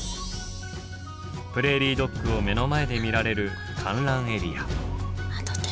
プレーリードッグを目の前で見られる観覧エリア。